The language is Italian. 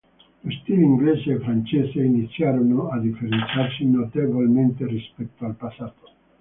Lo stile inglese e francese iniziarono a differenziarsi notevolmente rispetto al passato.